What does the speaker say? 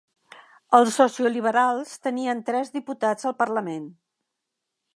Els socioliberals tenien tres diputats al Parlament.